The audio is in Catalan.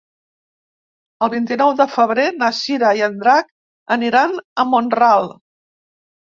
El vint-i-nou de febrer na Cira i en Drac aniran a Mont-ral.